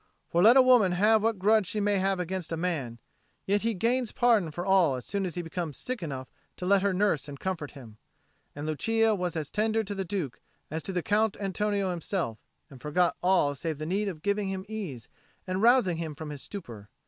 For let a woman have what grudge she may against a man, yet he gains pardon for all so soon as he becomes sick enough to let her nurse and comfort him; and Lucia was as tender to the Duke as to the Count Antonio himself, and forgot all save the need of giving him ease and rousing him from his stupor.